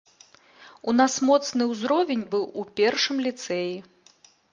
У нас моцны ўзровень быў у першым ліцэі.